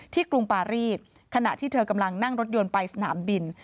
กรุงปารีสขณะที่เธอกำลังนั่งรถยนต์ไปสนามบิน